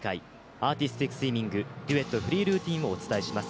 アーティスティックスイミングデュエットフリールーティンをお伝えします。